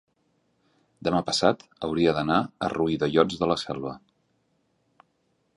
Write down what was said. demà passat hauria d'anar a Riudellots de la Selva.